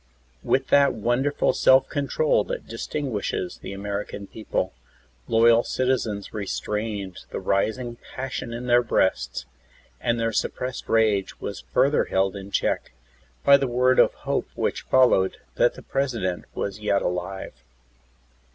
With that wonderful self control that distinguishes the American people, loyal citizens restrained the rising passion In their breasts, and their sup pressed rage was further held In check by the word of hope which followed that the President was yet alive.